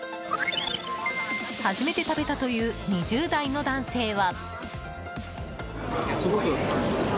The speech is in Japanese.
初めて食べたという２０代の男性は。